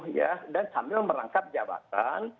ya dan sambil merangkap jabatan